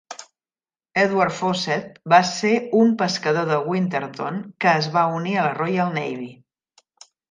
Edward Fawcett va ser un pescador de Winterton que es va unir a la Royal Navy.